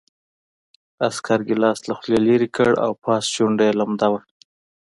عسکر ګیلاس له خولې لېرې کړ او پاس شونډه یې لمده وه